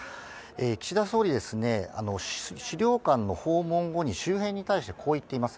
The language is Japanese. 岸田総理、資料館の訪問後に周辺に対してこう言っています。